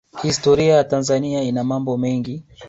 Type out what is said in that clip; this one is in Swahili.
Historia ya Tanzania ina mambo mengi